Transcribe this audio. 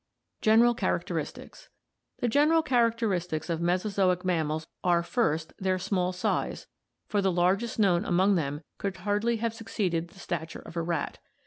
General Characteristics. — The general characteristics of Meso zoic mammals are, first, their small size, for the largest known among them could hardly have exceeded the stature of a rat.